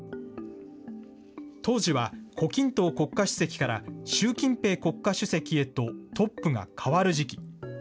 当時は胡錦濤国家主席から習近平国家主席へと、トップが代わる時期。